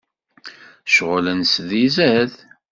Ccɣel-nsen izad!